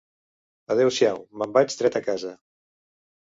Adeu-siau: me'n vaig dret a casa.